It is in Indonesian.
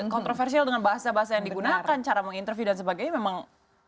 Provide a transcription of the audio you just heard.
kontroversial dengan bahasa bahasa yang digunakan cara menginterview dan sebagainya memang